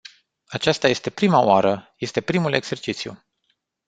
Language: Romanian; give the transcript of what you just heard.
Aceasta este prima oară, este primul exercițiu.